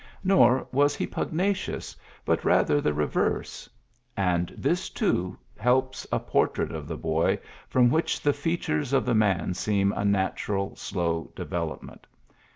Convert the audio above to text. ULYSSES S. GRANT 11 was lie pugnacionsy bnt rather the re verse ; and this^ too^ helps a portrait of the boy from which the features of the man seem a natural^ slow development.